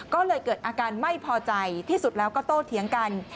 ก็เลยเกิดอาการไม่พอใจที่สุดแล้วก็โตเถียงกัน